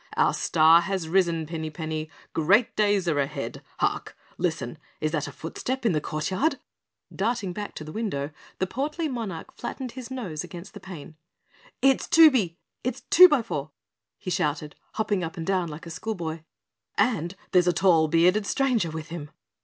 Our star has risen, Pinny Penny. Great days are ahead. Hark! Listen! Is that a footstep in the courtyard?" Darting back to the window, the portly monarch flattened his nose against the pane. "It's Twoby! It's Twobyfour!" he shouted hopping up and down like a school boy. "And there's a tall bearded stranger with him."